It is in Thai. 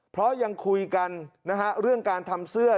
เพราะยังคุยกันนะฮะเรื่องการทำเสื้อ